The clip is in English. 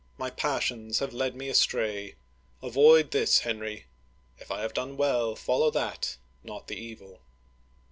My passions led me astray. Avoid this, Henry. If I have done well, follow that, not the evil